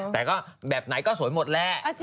แต่ก็แบบไหนก็สวยหมดแหละ